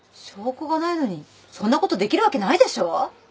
証拠がないのにそんなことできるわけないでしょ。